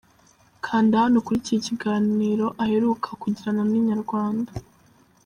Kanda hano ukurikire ikiganiro aheruka kugirana na Inyarwanda.